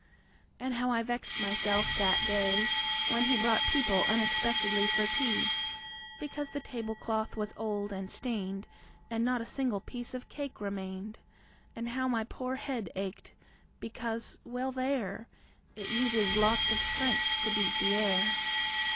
And how I vexed myself that day, when he Brought people unexpectedly for tea, Because the table cloth was old and stained, And not a single piece of cake remained. And how my poor head ached! Because, well there! It uses lots of strength to beat the air!